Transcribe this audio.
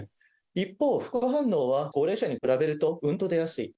一方、副反応は高齢者に比べると、うんと出やすい。